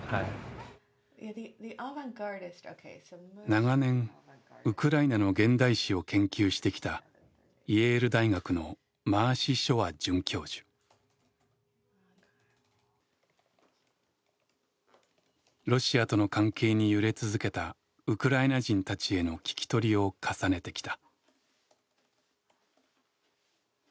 長年ウクライナの現代史を研究してきたロシアとの関係に揺れ続けたウクライナ人たちへの聞き取りを重ねてきた。